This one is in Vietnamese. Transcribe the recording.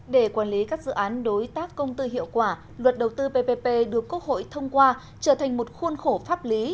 để quản lý các dự án đối tác công tư hiệu quả luật đầu tư ppp được quốc hội thông qua trở thành một khuôn khổ pháp lý